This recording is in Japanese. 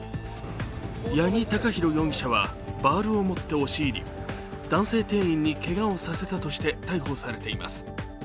八木貴寛容疑者はバールをもって押し入り男性店員にけがをさせたとして逮捕されています。